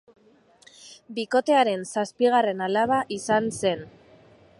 Bikotearen zazpigarren alaba izan zen.